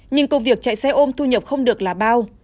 nhưng công việc chạy xe ôm thu nhập không được là bao